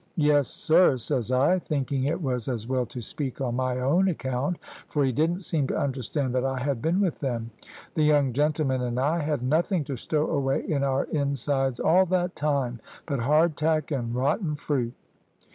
"`Yes, sir,' says I, thinking it was as well to speak on my own account, for he didn't seem to understand that I had been with them; `the young gentlemen and I had nothing to stow away in our insides all that time but hard tack and rotten fruit.'